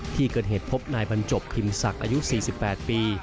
ที่เกิดเหตุพบนายบรรจบพิมพ์ศักดิ์อายุ๔๘ปี